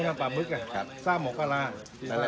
น้ำปลาบึกกับซ่าหมกปลาร่า